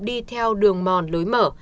đi theo đường mòn lối mở